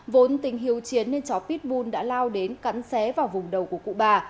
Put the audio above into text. vốn tình hiếu chiến nên chó pitbull đã lao đến cắn xé vào vùng đầu của cụ bà